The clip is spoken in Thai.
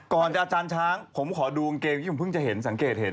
ก่อนจะอาจารย์ช้างผมขอดูกางเกงที่ผมเพิ่งจะเห็นสังเกตเห็น